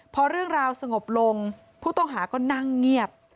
พอเรื่องราวสงบลงผู้ต้องหาก็นั่งเงียบ